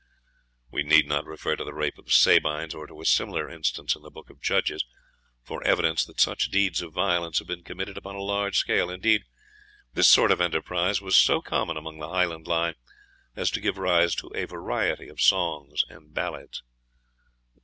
We need not refer to the rape of the Sabines, or to a similar instance in the Book of Judges, for evidence that such deeds of violence have been committed upon a large scale. Indeed, this sort of enterprise was so common along the Highland line as to give rise to a variety of songs and ballads.